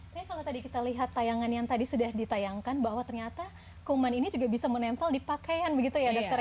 tapi kalau tadi kita lihat tayangan yang tadi sudah ditayangkan bahwa ternyata kuman ini juga bisa menempel di pakaian begitu ya dokter ya